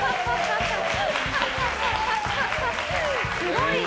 すごいね。